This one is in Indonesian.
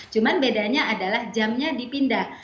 cuma bedanya adalah jamnya dipindah